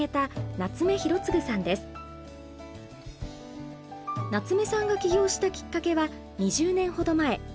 夏目さんが起業したきっかけは２０年ほど前。